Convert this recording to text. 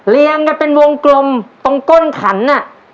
เรียงกันเป็นวงกลมตรงก้นขันเนี่ย